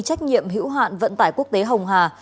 trách nhiệm hữu hạn vận tải quốc tế hồng hà